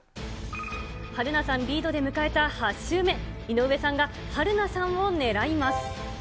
春菜さんリードで迎えた８周目、井上さんが春菜さんを狙います。